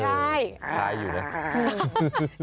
คล้ายอยู่นะ